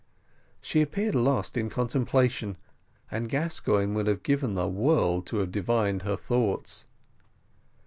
She appeared lost in contemplation; and Gascoigne would have given the world to have divined her thoughts.